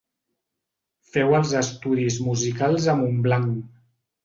Féu els estudis musicals a Montblanc.